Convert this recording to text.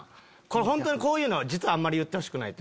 本当にこういうの実はあんまり言ってほしくない。